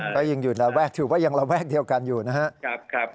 ก็ยังอยู่ระแวกถือว่ายังระแวกเดียวกันอยู่นะครับ